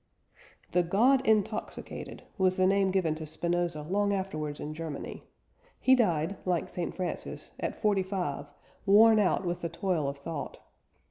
"The God intoxicated," was the name given to Spinoza long afterwards in Germany. He died (like St. Francis) at forty five, worn out with the toil of thought.